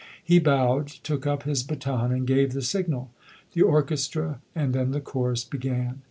He bowed, took up his baton and gave the signal. The orchestra and then the chorus began.